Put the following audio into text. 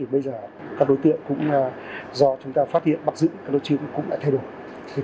bây giờ các đối tượng cũng do chúng ta phát hiện bắt giữ các đối chiếu cũng đã thay đổi